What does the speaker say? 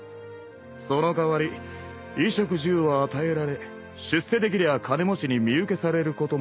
その代わり衣食住は与えられ出世できりゃあ金持ちに身請けされることもある。